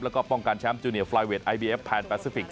แล้วก็ป้องกันแชมป์จูเนียฟลายเวทไอเบียฟแพนแปซิฟิกส